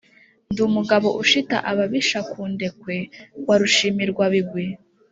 Ndi umugabo ushita ababisha ku ndekwe wa Rushimirwabigwi